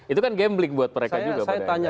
itu kan gambling buat mereka juga saya tanya